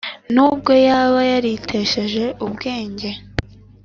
n ubwo yaba yaritesheje ubwenge